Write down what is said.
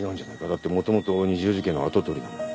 だってもともと二条路家の跡取りだもん。